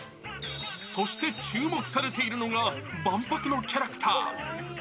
そして注目されているのが、万博のキャラクター。